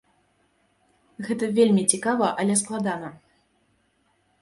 Гэта вельмі цікава, але складана.